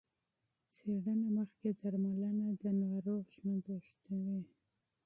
تشخیص مخکې درملنه د ناروغ ژوند اوږدوي.